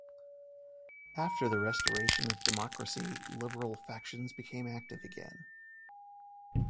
After the restoration of democracy liberal factions became active again.